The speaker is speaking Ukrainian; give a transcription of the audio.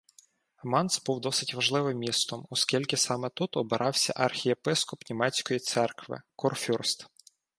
Майнц був досить важливим містом, оскільки саме тут обирався архієпископ німецької церкви, курфюрст.